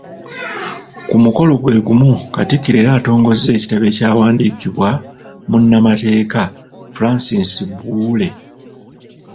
Ku mukolo gwegumu Katikkiro era atongozza ekitabo ekyawandiikibwa munnamateeka Francis Buwuule.